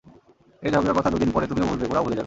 এ ঝগড়ার কথা দুদিন পরে তুমিও ভুলবে, গোরাও ভুলে যাবে।